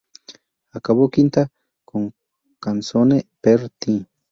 Acabó quinta con Canzone per te.